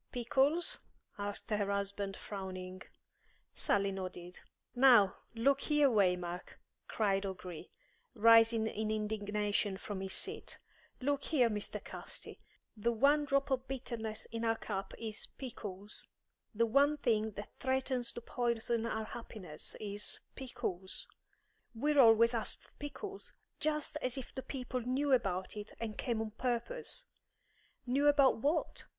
"Pickles?" asked her husband, frowning. Sally nodded. "Now, look here, Waymark," cried O'Gree, rising in indignation from his seat. "Look here, Mr. Casti. The one drop of bitterness in our cup is pickles; the one thing that threatens to poison our happiness is pickles. We're always being asked for pickles; just as if the people knew about it, and came on purpose!" "Knew about what?"